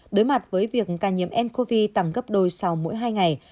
đối mặt với việc ca nhiễm ncov tăng gấp đôi sau mỗi hai ngày